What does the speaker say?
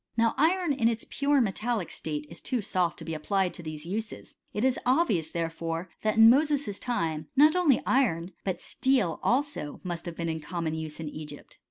Now iron in its pure metallic state is too soft to be applied to these uses t it is obvious, therefore, that in Moses's time, not only iron but steel also must have been in common use in Egypt.